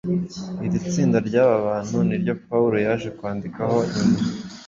Iri tsinda ry’aba bantu niryo Pawulo yaje kwandikaho nyuma